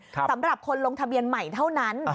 สำหรับคนลงทะเบียนใหม่เท่านั้น